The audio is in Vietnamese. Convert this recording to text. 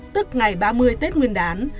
tức ngày ba mươi tết nguyên đán